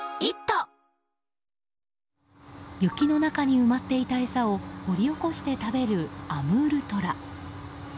雪の中に埋まっていた餌を掘り起こして食べるアムールトラ。